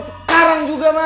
sekarang juga ma